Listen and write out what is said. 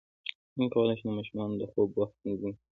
څنګه کولی شم د ماشومانو د خوب وخت تنظیم کړم